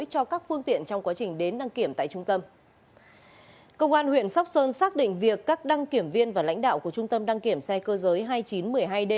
học sơn xác định việc các đăng kiểm viên và lãnh đạo của trung tâm đăng kiểm xe cơ giới hai nghìn chín trăm một mươi hai d